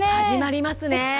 始まりますね。